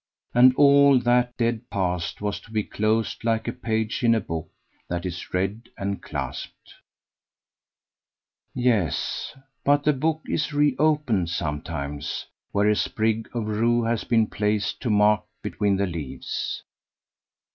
And all that dead past was to be closed like a page in a book that is read and clasped. Yes; but the book is reopened sometimes, where a sprig of rue has been placed to mark between the leaves.